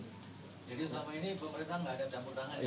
jadi selama ini pemerintah tidak ada campur tangan